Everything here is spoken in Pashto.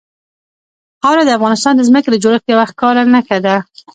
خاوره د افغانستان د ځمکې د جوړښت یوه ښکاره نښه ده.